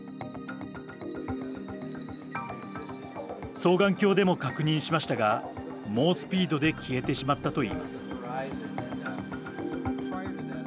双眼鏡でも確認しましたが猛スピードで消えてしまったといいます。